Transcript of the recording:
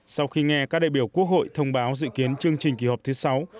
sau khi nghe các đại biểu quốc hội thông báo dự kiến chương trình kỳ họp thứ sáu